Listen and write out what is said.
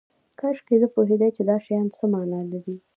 کاشکې زه پوهیدای چې دا شیان څه معنی لري